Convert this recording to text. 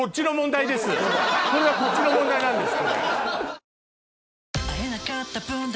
これはこっちの問題なんです。